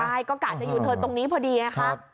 ใช่ก็กะจะอยู่เถิดตรงนี้พอดีนะครับ